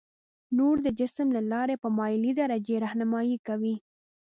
نور د جسم له لارې په مایلې درجې رهنمایي کوي.